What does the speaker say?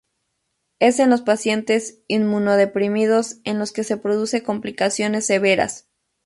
Es en los pacientes inmunodeprimidos en los que produce complicaciones severas.